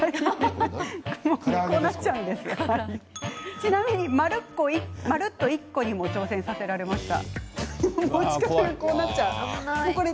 ちなみに、まるっと１個にも挑戦させられました。